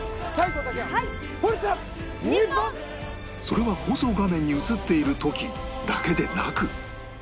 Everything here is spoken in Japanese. それは放送画面に映っている時だけでなく